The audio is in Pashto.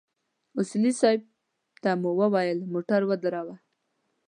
اصولي صیب ته مو وويل موټر ودروه.